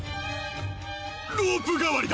ロープ代わりだ！